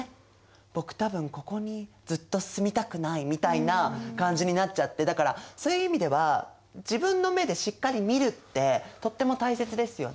僕多分ここにずっと住みたくない」みたいな感じになっちゃってだからそういう意味では自分の目でしっかり見るってとっても大切ですよね。